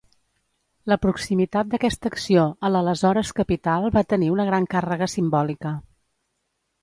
La proximitat d'aquesta acció a l'aleshores capital va tenir una gran càrrega simbòlica.